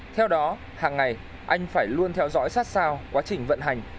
theo đó hàng ngày anh phải luôn theo dõi sát sao quá trình vận hành